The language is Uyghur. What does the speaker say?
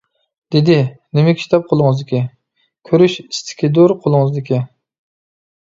دېدى: نېمە كىتاب قولىڭىزدىكى؟ كۆرۈش ئىستىكىدۇر قۇلىڭىزدىكى.